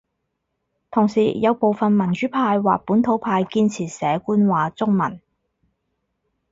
同時亦有部份民主派或本土派堅持寫官話中文